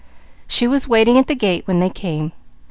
She was waiting at the gate when they came.